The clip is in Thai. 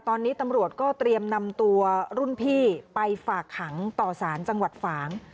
ตอนนี้ตำรวจก็เตรียมนำตัวรุ่นพี่ไปฝากขังต่อสารจังหวัดฝาง